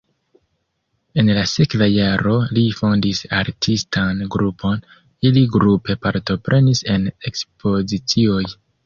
En la sekva jaro li fondis artistan grupon, ili grupe partoprenis en ekspozicioj.